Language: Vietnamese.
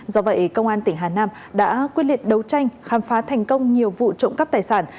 do vậy công an tỉnh hà nam đã quyết liệt đấu tranh khám phá thành công nhiều vụ trộm cắp tài sản